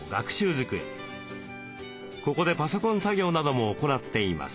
ここでパソコン作業なども行っています。